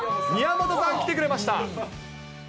われらが宮本さん、来てくれました。